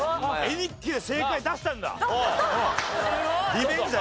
リベンジだ！